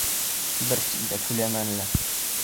Бер тин дә түләмәнеләр.